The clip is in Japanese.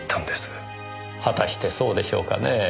果たしてそうでしょうかねえ。